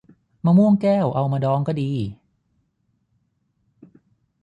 มะม่วงแก้ว เอามาดองก็ดี